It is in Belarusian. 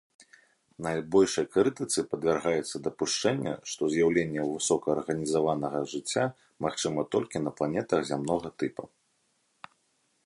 Найбольшай крытыцы падвяргаецца дапушчэнне, што з'яўленне высокаарганізаванага жыцця магчыма толькі на планетах зямнога тыпа.